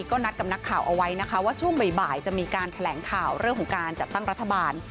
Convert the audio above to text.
ก็นัดกับนักข่าวเอาไว้นะคะว่าช่วงบ่ายจะมีการแถลงข่าวเรื่องของการจัดตั้งรัฐบาล